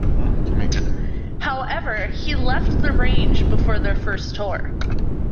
However he left the Range before their first tour.